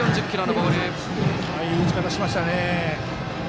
いい打ち方しましたね。